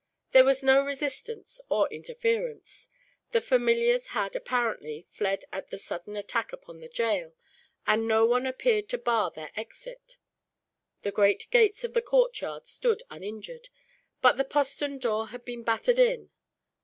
There was no resistance, or interference. The familiars had, apparently, fled at the sudden attack upon the jail, and no one appeared to bar their exit. The great gates of the courtyard stood uninjured, but the postern door had been battered in.